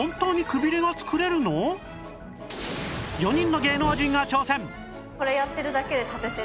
４人の芸能人が挑戦！